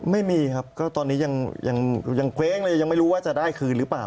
ไม่มีครับก็ตอนนี้ยังเกว้งเลยยังไม่รู้ว่าจะได้คืนหรือเปล่า